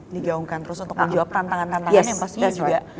digaungkan terus untuk menjawab tantangan tantangan yang pastinya juga